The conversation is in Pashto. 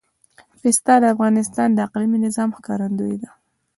پسه د افغانستان د اقلیمي نظام ښکارندوی ده.